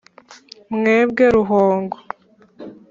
mwebwe ruhongo,